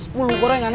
sepuluh gorengan ya